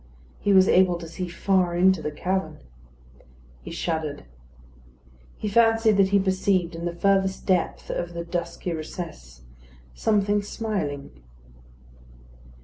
He was able to see far into the cavern. He shuddered. He fancied that he perceived, in the furthest depth of the dusky recess, something smiling.